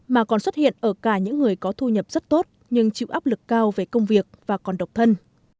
mà còn xuất hiện ở cả những người có thu nhập rất tốt nhưng chịu áp lực cao về công việc và còn độc thân